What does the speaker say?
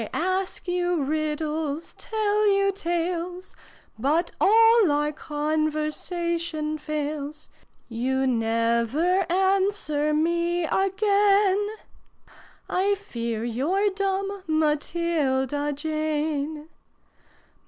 / ask you riddles, tell you tales, But all our conversation fails: You never answer me again / fear you're dumb, Matilda Jane